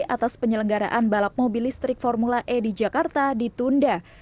atas penyelenggaraan balap mobil listrik formula e di jakarta ditunda